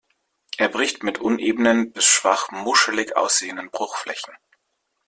Er bricht mit unebenen bis schwach muschelig aussehenden Bruchflächen.